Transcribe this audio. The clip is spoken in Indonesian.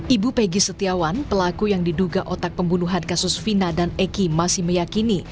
ibu peggy setiawan pelaku yang diduga otak pembunuhan kasus vina dan eki masih meyakini